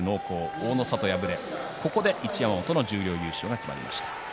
大の里は敗れて、ここで一山本の十両優勝が決まりました。